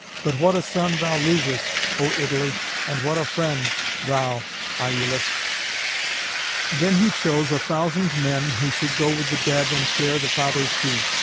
But what a son thou losest, O Italy! and what a friend, thou, Iülus!" Then he chose a thousand men who should go with the dead and share the father's grief.